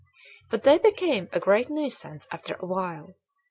But they became a great nuisance after a while.